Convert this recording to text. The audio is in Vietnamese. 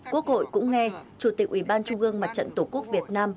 quốc hội cũng nghe chủ tịch ủy ban trung ương mặt trận tổ quốc việt nam